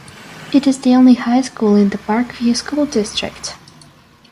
It is the only high school in the Parkview School District.